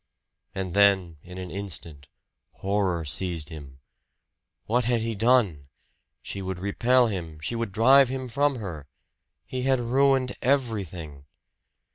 And then, in an instant, horror seized him. What had he done? She would repel him she would drive him from her! He had ruined everything!